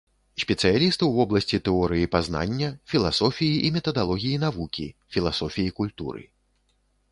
Спецыяліст у вобласці тэорыі пазнання, філасофіі і метадалогіі навукі, філасофіі культуры.